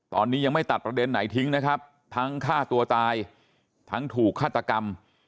ตอนนี้ยังไม่ตัดประเด็นไหนทิ้งนะครับทั้งฆ่าตัวตายทั้งถูกฆาตกรรม